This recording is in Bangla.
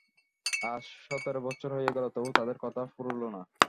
আজ সতেরো বৎসর হয়ে গেল তবু তোদের কথা ফুরালো না।